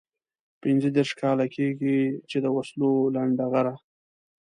پنځه دېرش کاله کېږي چې د وسلو لنډه غر.